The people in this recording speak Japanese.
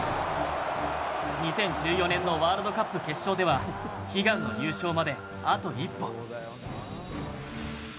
２０１４年のワールドカップ決勝では悲願の優勝まで、あと一歩。